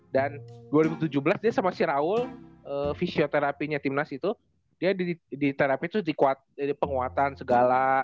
dan dua ribu tujuh belas dia sama si raul fisioterapi timnas itu dia diterapi tuh penguatan segala